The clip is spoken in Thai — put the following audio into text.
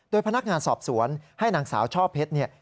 พนักงานสอบสวนให้นางสาวช่อเพชรเนี่ย